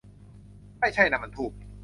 ไม่ใช่ ! นั่นมันธูป !